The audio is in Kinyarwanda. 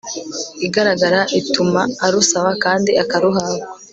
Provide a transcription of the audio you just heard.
igaragara ituma arusaba kandi akaruhabwa